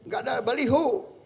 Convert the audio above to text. gak ada baliho